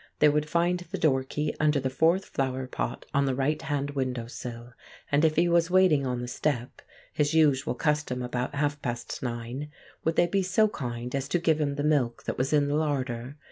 They would find the door key under the fourth flower pot on the right hand window sill; and if he was waiting on the step (his usual custom about half past nine) would they be so kind as to give him the milk that was in the larder?